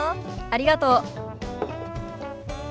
ありがとう。